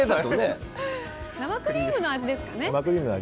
生クリームの味ですかね。